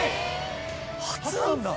初なんだ！